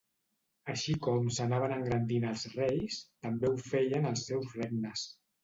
Així com s'anaven engrandint els reis, també ho feien els seus regnes.